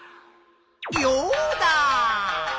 ヨウダ！